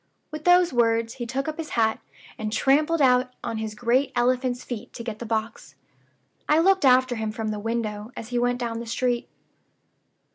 With those words he took up his hat, and trampled out on his great elephant's feet to get the box. I looked after him from the window as he went down the street.